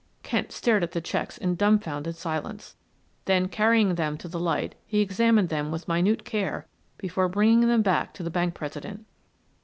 Kent stared at the checks in dumbfounded silence; then carrying them to the light he examined them with minute care before bringing them back to the bank president.